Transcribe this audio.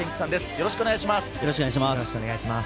よろしくお願いします。